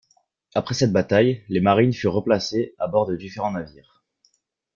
Après cette bataille les marines furent replacés à bord de différents navires.